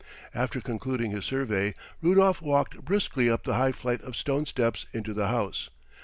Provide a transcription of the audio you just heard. After concluding his survey Rudolf walked briskly up the high flight of stone steps into the house.